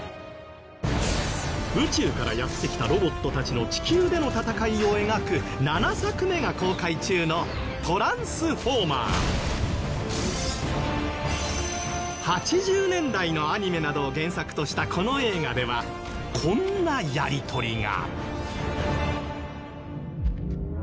宇宙からやって来たロボットたちの地球での戦いを描く７作目が公開中の８０年代のアニメなどを原作としたこの映画ではこんなやり取りが